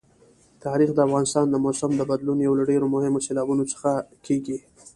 تاریخ د افغانستان د موسم د بدلون یو له ډېرو مهمو سببونو څخه کېږي.